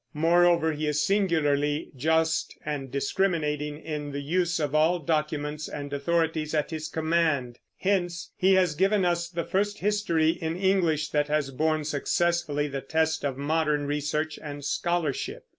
Moreover, he is singularly just and discriminating in the use of all documents and authorities at his command. Hence he has given us the first history in English that has borne successfully the test of modern research and scholarship.